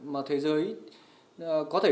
mà thế giới có thể